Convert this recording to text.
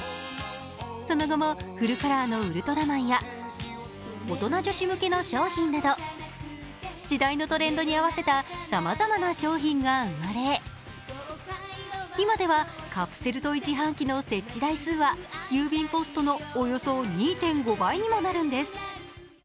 その後もフルカラーのウルトラマンや大人女子向けの商品など時代のトレンドに合わせたさまざまな商品が生まれ今ではカプセルトイ自販機の設置台数は郵便ポストのおよそ２．５倍にもなるんです。